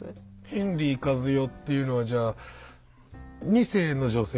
ヘンリーカズヨっていうのはじゃあ２世の女性？